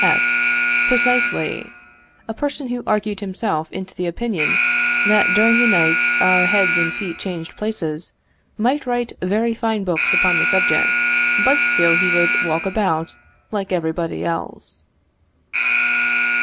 F. Precisely. A person who argued himself into the opinion that during the night our heads and feet changed places, might write very fine books upon the subject, but still he would walk about like everybody else.